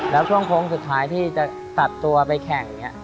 แล้วช่วงโค้งสุดท้ายที่จะตัดตัวไปแข่งเนี่ย